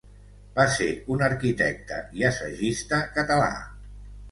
Va ser un arquitecte i assagista català.